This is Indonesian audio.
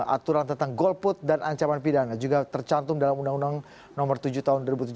aturan tentang golput dan ancaman pidana juga tercantum dalam undang undang nomor tujuh tahun dua ribu tujuh belas